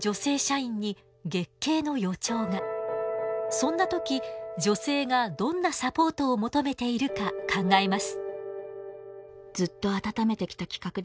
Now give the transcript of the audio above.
そんな時女性がどんなサポートを求めているか考えます。